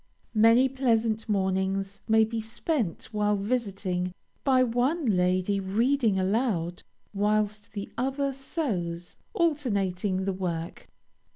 Many pleasant mornings may be spent while visiting, by one lady reading aloud whilst the other sews, alternating the work.